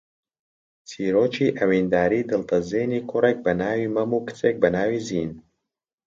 چیرۆکی ئەوینداریی دڵتەزێنی کوڕێک بە ناوی مەم و کچێک بە ناوی زین